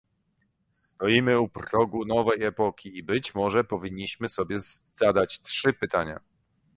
Stoimy u progu nowej epoki i być może powinniśmy sobie zadać trzy pytania